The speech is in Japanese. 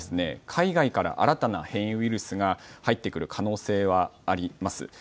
海外から新たな変異ウイルスが入ってくる可能性はあります。